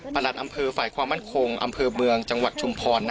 หลัดอำเภอฝ่ายความมั่นคงอำเภอเมืองจังหวัดชุมพร